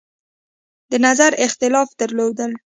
د نظر اختلاف درلود.